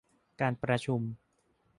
การประชุม